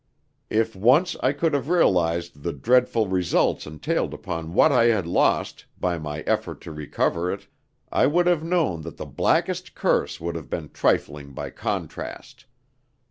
If once I could have realized the dreadful results entailed upon what I had lost, by my effort to recover it, I would have known that the blackest curse would have been trifling by contrast.